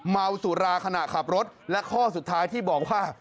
เมาสุราขณะขับรถและข้อสุดท้ายที่บอกว่า